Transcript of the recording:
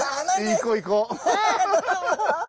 行こう行こう。